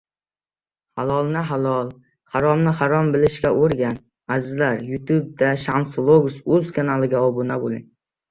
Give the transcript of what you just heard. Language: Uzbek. — Halolni-halol, haromni-harom bilishga o‘rgan.